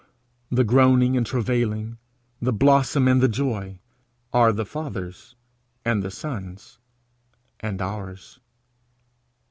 The groaning and travailing, the blossom and the joy, are the Father's and the Son's and ours.